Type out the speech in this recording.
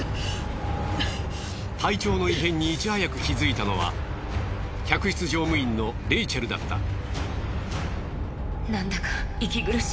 体調の異変にいち早く気づいたのは客室乗務員のレイチェルだった。